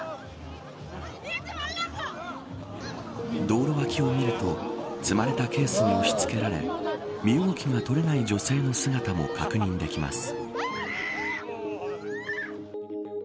道路脇を見ると積まれたケースに押し付けられ身動きが取れない女性の姿も確認できます。